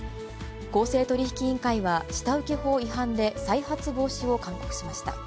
公正取引委員会は、下請法違反で再発防止を勧告しました。